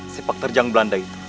sepak terjang belanda itu